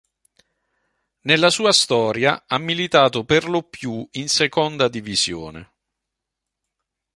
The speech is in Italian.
Nella sua storia ha militato perlopiù in seconda divisione.